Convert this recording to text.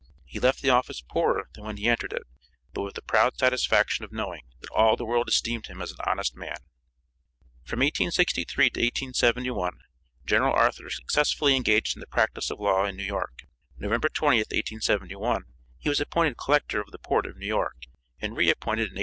He left the office poorer than when he entered it, but with the proud satisfaction of knowing that all the world esteemed him as an honest man. From 1863 to 1871 General Arthur successfully engaged in the practice of law in New York. November 20th, 1871, he was appointed collector of the port of New York, and re appointed in 1875.